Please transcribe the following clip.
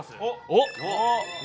「おっ！